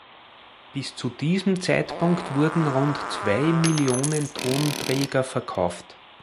Bis zu diesem Zeitpunkt wurden rund zwei Millionen Tonträger verkauft.